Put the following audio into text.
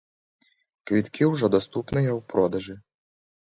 Квіткі ўжо даступныя ў продажы.